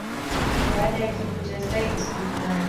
Baada ya kifo cha Sayyid Sultan